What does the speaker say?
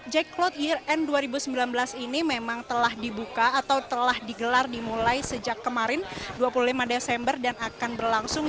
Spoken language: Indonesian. jack cloud year end dua ribu sembilan belas ini memang telah dibuka atau telah digelar dimulai sejak kemarin dua puluh lima desember dan akan berlangsung